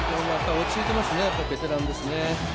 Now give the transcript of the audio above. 落ち着いてますねベテランですね。